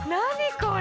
これ！